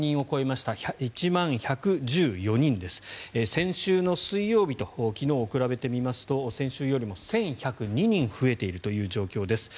先週の水曜日と昨日を比べてみますと先週よりも１１０２人増えているという状況です。